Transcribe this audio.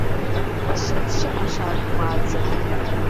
Къыщыхъу щыӀэщ ар хыфӀадзэу.